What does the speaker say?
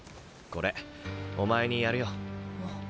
これお前にやるよ。